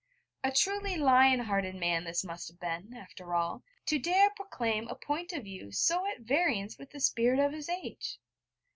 A truly lion hearted man this must have been, after all, to dare proclaim a point of view so at variance with the spirit of his age!